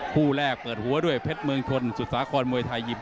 คู่แรกเปิดหัวด้วยเพชรเมืองชนสุสาครมวยไทยยิม